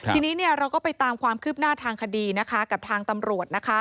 ทีนี้เราก็ไปตามความคืบหน้าทางคดีนะคะกับทางตำรวจนะคะ